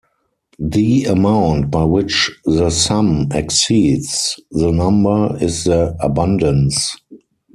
The amount by which the sum exceeds the number is the abundance.